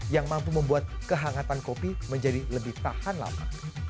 yang mampu membuat kehangatan kopi menjadi lebih tahan lama